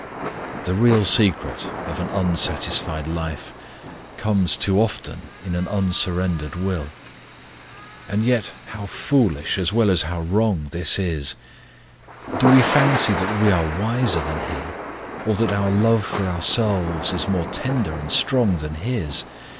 The real secret of an unsatisfied life lies too often in an unsurrendered will. And yet how foolish, as well as how wrong, this is! Do we fancy that we are wiser than He? or that our love for ourselves is more tender and strong than His?